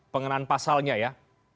pengenaan pasalnya ya